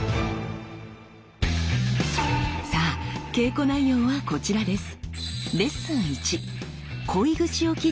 さあ稽古内容はこちらです。